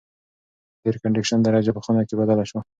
د اېرکنډیشن درجه په خونه کې بدله شوه.